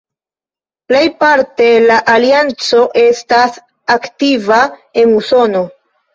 Plejparte la Alianco estas aktiva en Usono.